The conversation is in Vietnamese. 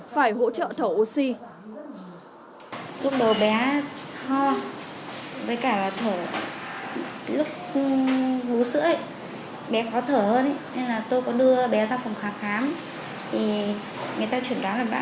phải hỗ trợ thở oxy